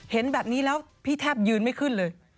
เห็นแบบนี้แล้วพี่แทบยืนไม่ขึ้นเลย